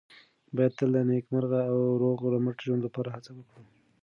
باید تل د نېکمرغه او روغ رمټ ژوند لپاره هڅه وکړو.